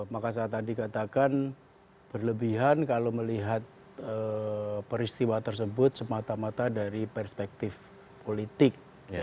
maka saya tadi katakan berlebihan kalau melihat peristiwa tersebut semata mata dari perspektif politik